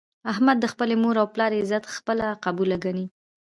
احمد د خپلې مور او پلار عزت خپله قبله ګڼي.